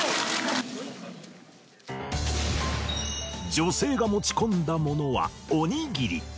女性が持ち込んだものはおにぎり。